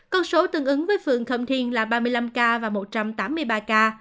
con số tương ứng với phường khâm thiên là ba mươi năm ca và một trăm tám mươi ba ca